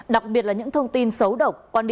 đặc biệt là những thông tin xấu độc